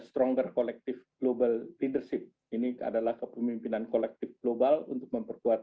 stronger collective global leadership ini adalah kepemimpinan kolektif global untuk memperkuat